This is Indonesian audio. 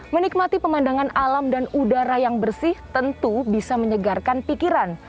menikmati pemandangan alam dan udara yang bersih tentu bisa menyegarkan pikiran